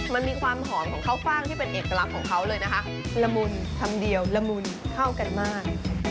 มันมีความหอมของข้าวฟ่างที่เป็นเอกลักษณ์ของเขาเลยนะคะละมุนคำเดียวละมุนเข้ากันมาก